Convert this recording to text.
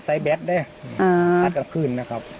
ใส่แบ๊ดได้สัดกลางคืนนะครับ